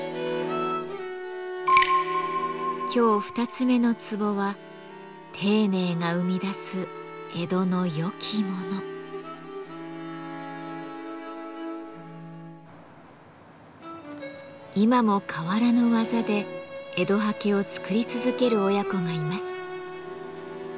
今日二つ目のツボは今も変わらぬ技で江戸刷毛を作り続ける親子がいます。